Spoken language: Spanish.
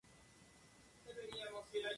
La película transcurre en dos escenarios.